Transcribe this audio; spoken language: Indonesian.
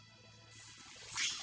mau jadi kayak gini sih salah buat apa